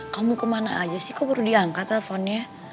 kamu kemana aja sih kok baru diangkat teleponnya